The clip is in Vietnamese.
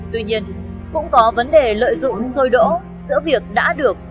tuy nhiên cũng có vấn đề lợi dụng sôi đỗ giữa việc đã được